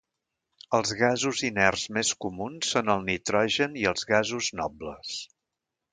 Els gasos inerts més comuns són el nitrogen i els gasos nobles.